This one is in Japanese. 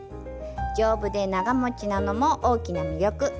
丈夫で長もちなのも大きな魅力。